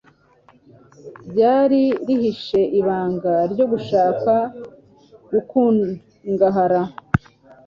ryari rihishe ibanga ryo gushaka gukungahara.